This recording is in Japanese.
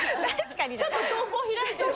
ちょっと瞳孔開いてる。